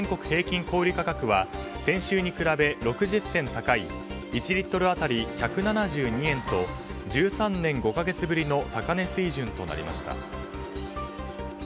平均小売価格は先週に比べ６０銭高い１リットル当たり１７２円と１３年５か月ぶりの高値水準となりました。